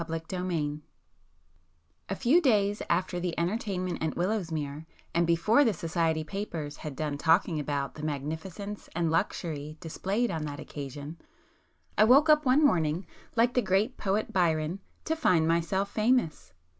[p 290]XXV A few days after the entertainment at Willowsmere, and before the society papers had done talking about the magnificence and luxury displayed on that occasion, I woke up one morning, like the great poet Byron, "to find myself famous."